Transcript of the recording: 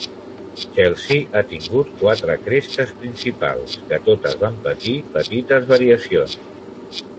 Chelsea ha tingut quatre crestes principals, que totes van patir petites variacions.